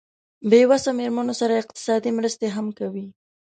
بې وسه مېرمنو سره اقتصادي مرستې هم کوي.